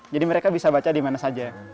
jadi mereka bisa baca di mana saja